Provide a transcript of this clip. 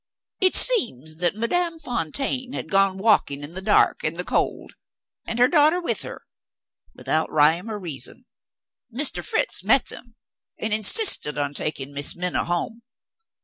It seems that Madame Fontaine had gone out walking in the dark and the cold (and her daughter with her), without rhyme or reason. Mr. Fritz met them, and insisted on taking Miss Minna home.